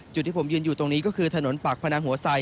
จุดที่ผมยืนอยู่ตรงนี้ก็คือถนนปากพนังหัวไซ